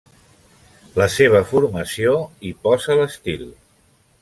La seva formació hi posa l'estil.